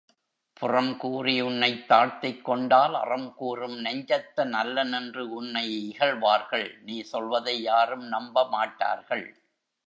புறம்கூறி உன்னைத் தாழ்த்திக்கொண்டால் அறம் கூறும் நெஞ்சத்தன் அல்லன் என்று உன்னை இகழ்வார்கள் நீ சொல்வதை யாரும் நம்பமாட்டார்கள்.